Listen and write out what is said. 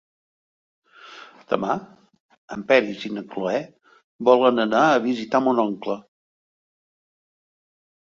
Demà en Peris i na Cloè volen anar a visitar mon oncle.